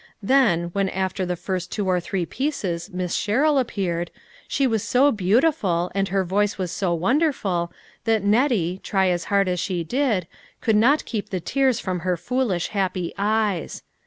Then, when after the first two or three pieces Miss Sherrill appeared, she was so beautiful and her voice was so wonderful that Nettie, try as hard as she did, could not keep the tears from her foolish happy eyes.